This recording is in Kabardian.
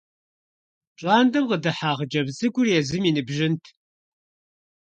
ПщIантIэм къыдыхьа хъыджэбз цIыкIур езым и ныбжьынт.